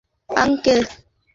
দুঃখিত, আঙ্কেল!